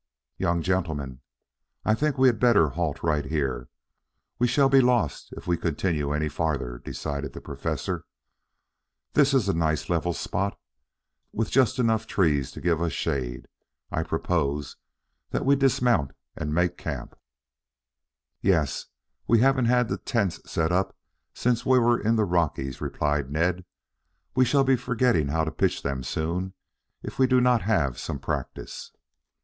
"Young gentlemen, I think we had better halt right here. We shall be lost if we continue any farther," decided the Professor. "This is a nice level spot with just enough trees to give us shade. I propose that we dismount and make camp." "Yes, we haven't had the tents up since we were in the Rockies," replied Ned. "We shall be forgetting how to pitch them soon if we do not have some practice."